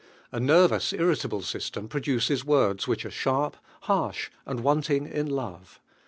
A nervous, irrita ble system produces words which are sharp, harsh and wanting in love.